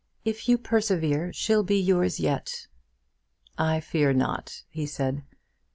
"If you persevere she'll be yours yet." "I fear not," he said.